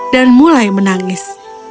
dan mulai menangis